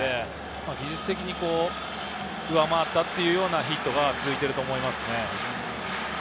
技術的に上回ったというようなヒットが続いていると思いますね。